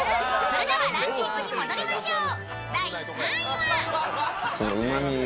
それではランキングに戻りましょう。